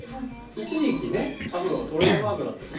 一時期ねアフロがトレードマークだったと。